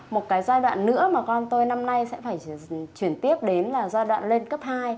một cái giai đoạn nữa mà con tôi năm nay sẽ phải chuyển tiếp đến là giai đoạn lên cấp hai